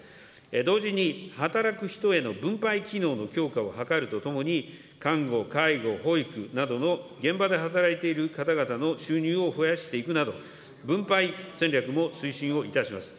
同時に、働く人への分配機能の強化を図るとともに、看護、介護、保育などの現場で働いている方々の収入を増やしていくなど、分配戦略も推進をいたします。